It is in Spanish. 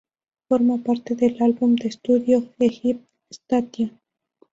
Forma parte del álbum de estudio, "Egypt Station".